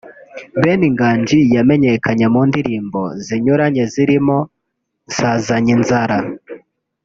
Ben Nganji yamenyekanye mu ndirimbo zinyuranye zirimbo ‘Nsazanye inzara’